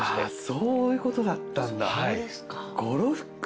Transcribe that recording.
そういうことだったんだ。